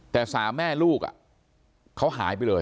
แต่สามแม่ลูกเขาหายไปเลย